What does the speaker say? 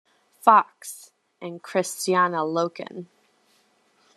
Fox, and Kristanna Loken.